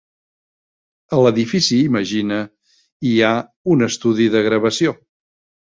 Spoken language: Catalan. A l'Edifici Imagina hi ha un estudi de gravació.